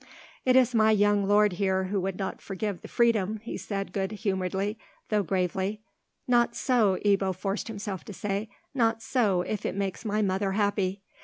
"It is my young lord there who would not forgive the freedom," he said, good humouredly, though gravely. "Not so," Ebbo forced himself to say; "not so, if it makes my mother happy."